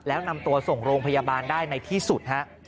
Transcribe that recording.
แล้วนำตัวส่งโรงพยาบาลได้ในที่สุดฮะ